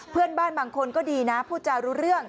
เพื่อนบ้านบางคนก็ดีนะพูดจารู้เรื่อง